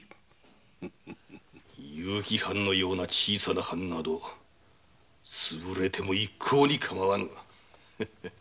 結城藩のような小さな藩などつぶれても一向にかまわぬ。